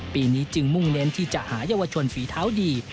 ปีนี้จึงมุ่งเน้นที่จะหาเยาวชนฝีเท้าดี